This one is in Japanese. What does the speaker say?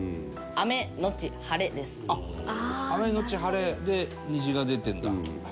雨のち晴れで虹が出てるんだ。